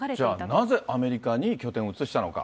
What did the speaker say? じゃ、なぜアメリカに拠点を移したのか。